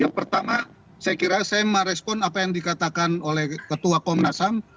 yang pertama saya kira saya marespon apa yang dikatakan oleh ketua komnasam